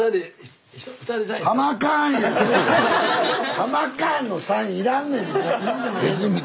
ハマカーンのサイン要らんねん俺は。